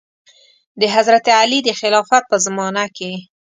د حضرت علي د خلافت په زمانه کې.